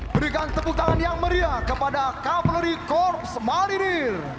berikan tepuk tangan yang meriah kepada kri sultan iskandar muda